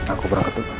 aku berangkat dulu